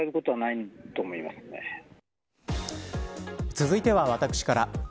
続いては私から。